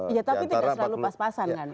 iya tapi tidak selalu pas pasan kan